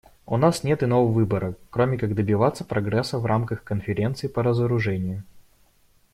У нас нет иного выбора, кроме как добиваться прогресса в рамках Конференции по разоружению.